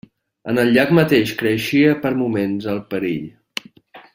En el llac mateix creixia per moments el perill.